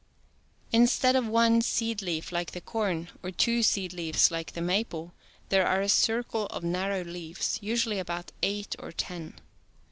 Instead of one seed leaf, like the corn, or two seed leaves, like the maple, there are a circle of narrow leaves, usually about eight or ten.